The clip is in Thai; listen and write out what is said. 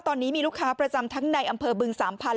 ตอนนี้มีลูกค้าประจำทั้งในอำเภอบึงสามพันธุ์